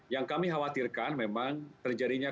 yang kami khawatirkan memang terjadinya